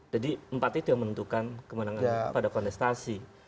jadi empat itu yang menentukan kemenangan pada kontestasi